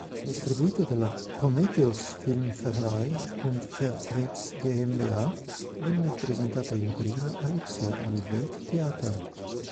Distribuito dalla Prometheus-Film-Verleih und Vertriebs-GmbH, venne presentato in prima a Lipsia al Welt-Theater.